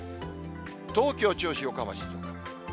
東京、銚子、横浜、静岡。